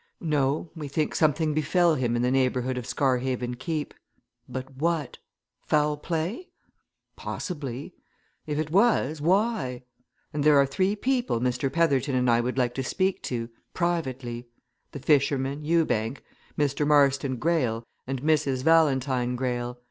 No we think something befell him in the neighbourhood of Scarhaven Keep. But what? Foul play? Possibly! If it was why? And there are three people Mr. Petherton and I would like to speak to, privately the fisherman, Ewbank, Mr. Marston Greyle, and Mrs. Valentine Greyle.